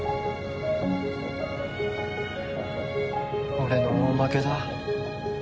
俺の負けだ。